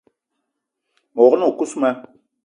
Me wog-na o kousma: